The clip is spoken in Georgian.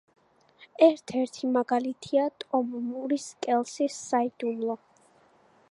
ერთ-ერთი მაგალითია ტომ მურის „კელსის საიდუმლო“.